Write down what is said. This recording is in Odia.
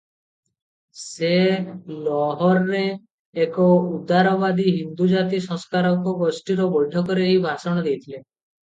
ସେ ଲାହୋରରେ ଏକ ଉଦାରବାଦୀ ହିନ୍ଦୁ ଜାତି-ସଂସ୍କାରକଙ୍କ ଗୋଷ୍ଠୀର ବୈଠକରେ ଏହି ଭାଷଣ ଦେଇଥାନ୍ତେ ।